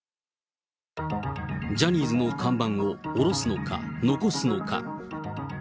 ジャニーズの看板を下ろすのか、残すのか。